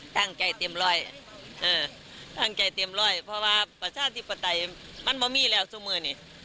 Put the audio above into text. ตั้งใจเตรียมร้อยตั้งใจเตรียมร้อยเพราะว่าประชาธิปไตยมันบ่มีแล้วเสมอนี่